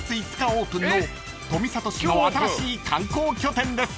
オープンの富里市の新しい観光拠点です］